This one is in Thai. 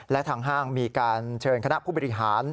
และทางห้างมีการเชิญคณะผู้บริหาร